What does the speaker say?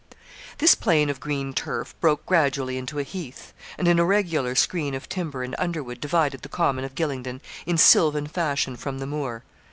This plain of green turf broke gradually into a heath; and an irregular screen of timber and underwood divided the common of Gylingden in sylvan fashion from the moor.